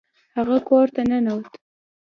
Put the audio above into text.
هغه کور ته ننوت.